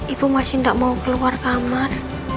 ibu masih tidak mau keluar kamar